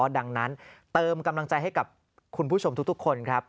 ดังนั้นเติมกำลังใจให้กับคุณผู้ชมทุกคนครับ